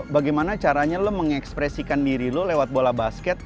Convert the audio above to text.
bagaimana caranya lo mengekspresikan diri lo lewat bola basket